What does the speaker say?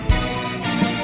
kenapa tidak bisa